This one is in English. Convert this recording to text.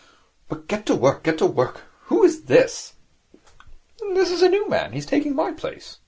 But get to work, get to work. Who is this?' 'This is a new man. He's taking my place.